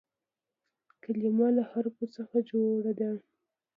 کلیمه له حروفو څخه جوړه ده.